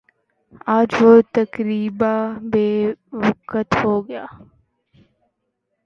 آج وہ تقریبا بے وقعت ہو گیا ہے